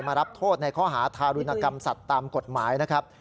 รับโทษในข้อหาทารุณกรรมสัตว์ตามกฎหมายนะครับ